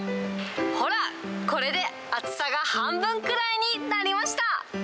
ほら、これで厚さが半分くらいになりました。